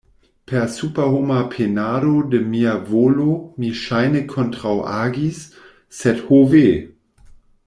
Per superhoma penado de mia volo mi ŝajne kontraŭagis, sed ho ve!